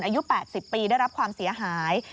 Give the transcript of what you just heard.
อายุ๘๐ปีได้รับความเสียหาย